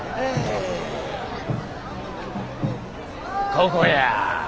ここや。